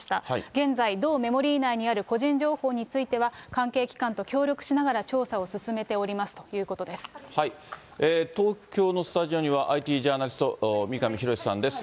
現在、同メモリ内にある個人情報については、関係機関と協力しながら、調査を進めておりますとい東京のスタジオには、ＩＴジャーナリスト、みかみひろしさんです。